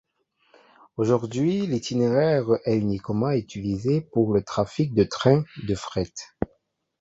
Aujourd'hui, l'itinéraire est uniquement utilisé pour le trafic de Train de fret.